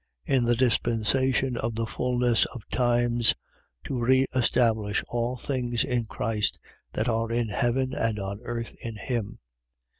In the dispensation of the fulness of times, to re establish all things in Christ, that are in heaven and on earth, in him.